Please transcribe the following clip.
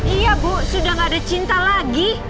iya bu sudah gak ada cinta lagi